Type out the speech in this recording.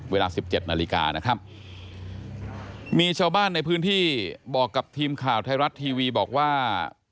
เวลาสิบเจ็ดนาฬิกานะครับมีชาวบ้านในพื้นที่บอกกับทีมข่าวไทยรัฐทีวีบอกว่า